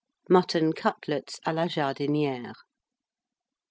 Mutton Cutlets à la Jardinière.